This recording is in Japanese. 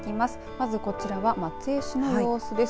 まずこちらは松江市の様子です。